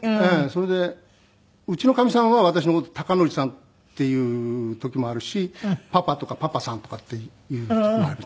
それでうちのかみさんは私の事を「孝則さん」って言う時もあるし「パパ」とか「パパさん」とかって言う時もあります。